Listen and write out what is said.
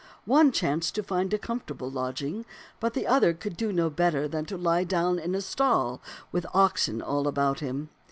One chanced to find a comfortable lodg ing, but the other could do no better than to lie down in a stall with oxen all about him.